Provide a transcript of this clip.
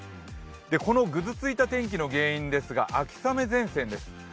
このぐずついた天気の原因ですが秋雨前線です。